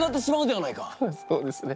そうですね。